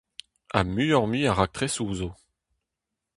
Ha muioc'h-mui a raktresoù zo.